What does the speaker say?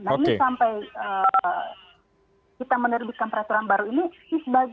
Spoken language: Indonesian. nah ini sampai kita menerbitkan peraturan baru ini